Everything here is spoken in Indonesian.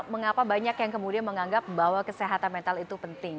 mengapa banyak yang kemudian menganggap bahwa kesehatan mental itu penting